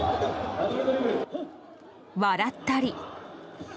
笑ったり。